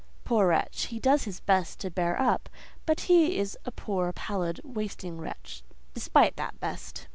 Poor wretch! He does his best to bear up, but he is a poor, pallid, wasting wretch, despite that best.